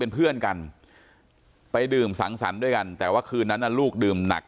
เพื่อนกันไปดื่มสังสรรค์ด้วยกันแต่ว่าคืนนั้นลูกดื่มหนัก